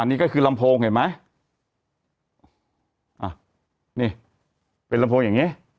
นี่ก็คือลำโพงเห็นไหมอ่ะนี่เป็นลำโพงอย่างเงี้